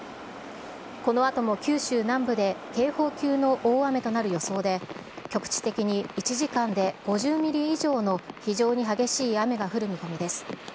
このあとも九州南部で警報級の大雨となる予想で、局地的に１時間で５０ミリ以上の非常に激しい雨が降る見込みです。